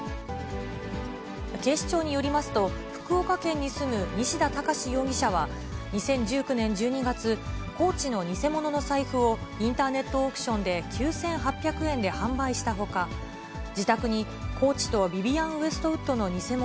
警視庁によりますと、福岡県に住む西田耕司容疑者は、２０１９年１２月、コーチの偽物の財布を、インターネットオークションで９８００円で販売したほか、自宅にコーチとヴィヴィアン・ウエストウッドの偽物